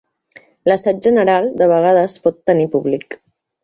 L'assaig general de vegades pot tenir públic.